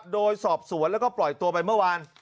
โดยสอบสวนแล้วก็ปล่อยตัวไปเมื่อวาน